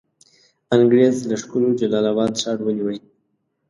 انګرېز لښکرو جلال آباد ښار ونیوی.